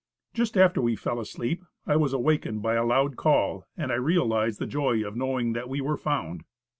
Just after we fell asleep, I was awakened by a loud call, and I realized the joy of knowing that we were found.